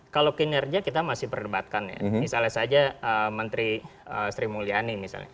kalau kinerja kita masih perdebatkan ya misalnya saja menteri sri mulyani misalnya